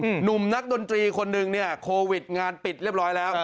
หนุ่มนักดนตรีคนหนึ่งเนี่ยโควิดงานปิดเรียบร้อยแล้ว